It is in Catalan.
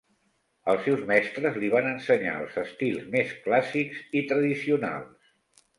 Els seus mestres li van ensenyar els estils més clàssics i tradicionals.